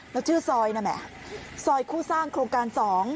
แล้วชื่อซอยนะแหมซอยคู่สร้างโครงการ๒